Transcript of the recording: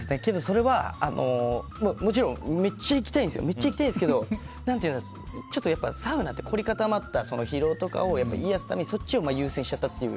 それは、けどめっちゃ行きたいんですけどちょっとサウナで凝り固まった疲労とかを癒やすためにそっちを優先しちゃったっていう。